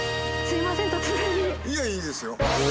いやいいですよ。